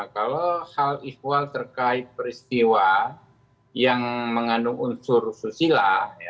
kalau hal ikhwal terkait peristiwa yang mengandung unsur susila